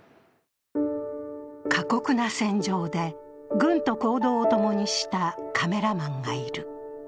過酷な戦場で軍と行動を共にしたカメラマンがいる。